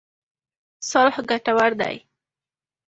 صلح ګټور دی.